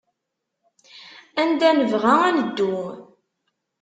Anda nebɣa ad neddu.